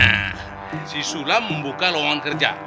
nah si sulam membuka lowongan kerja